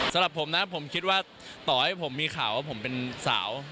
สำหรับผมนะผมคิดว่าต่อให้ผมมีข่าวว่าผมเป็นสาว